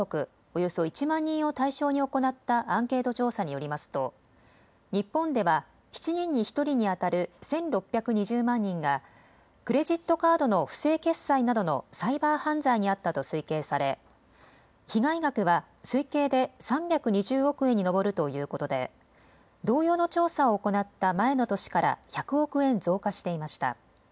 およそ１万人を対象に行ったアンケート調査によりますと日本では７人に１人にあたる１６２０万人がクレジットカードの不正決済などのサイバー犯罪に遭ったと推計され、被害額は推計で３２０億円に上るということで同様の調査を行った前の年から１００億円増加していました。